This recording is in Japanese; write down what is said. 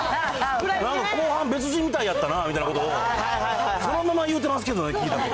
後半、別人みたいやったなみたいなことを、そのまま言うてますけどね、聞いたこと。